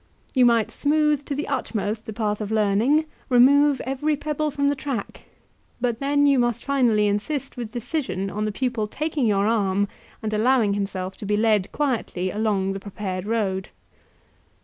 You might smooth to the utmost the path of learning, remove every pebble from the track; but then you must finally insist with decision on the pupil taking your arm and allowing himself to be led quietly along the prepared road.